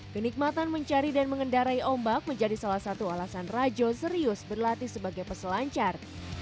kenikmatan mencari dan mengendarai ombak menjadi salah satu alasan rajo serius berlatih sebagai peselancar